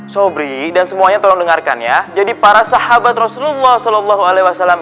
sobi dan semuanya tolong dengarkan ya jadi para sahabat rasulullah shallallahu alaihi wasallam